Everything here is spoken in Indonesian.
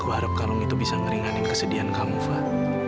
aku harap kalung itu bisa ngeringanin kesedihan kamu fah